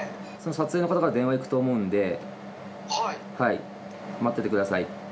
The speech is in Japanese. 撮影の方から電話いくと思うんではい待っててください。